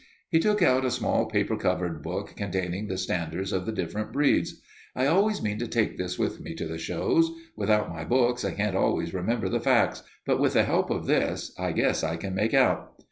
He took out a small paper covered book containing the standards of the different breeds. "I always mean to take this with me to the shows. Without my books I can't always remember the facts, but with the help of this I guess I can make out.